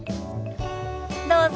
どうぞ。